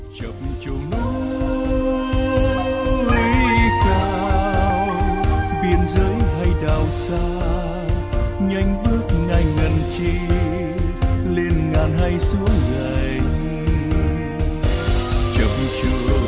chập chỗ núi cao biển rơi hay đào xa nhanh bước ngay ngần chi lên ngàn hay xuống ngành